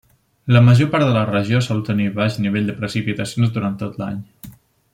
La major part de la regió sol tenir baix nivell de precipitacions durant tot l'any.